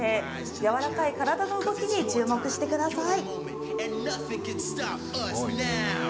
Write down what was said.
やわらかい体の動きに注目してください。